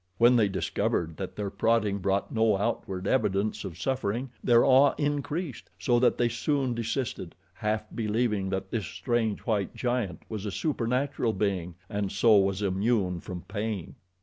When they discovered that their prodding brought no outward evidence of suffering, their awe increased, so that they soon desisted, half believing that this strange white giant was a supernatural being and so was immune from pain.